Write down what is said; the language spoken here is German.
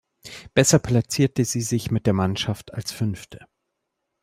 Besser platzierte sie sich mit der Mannschaft als Fünfte.